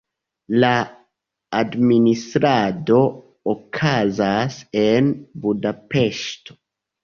La administrado okazas en Budapeŝto.